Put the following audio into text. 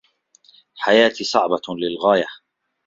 حياتي صعبة للغاية.